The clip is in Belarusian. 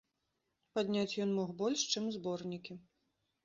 Падняць ён мог больш, чым зборнікі.